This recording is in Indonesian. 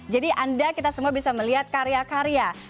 jadi anda kita semua bisa melihat karya karya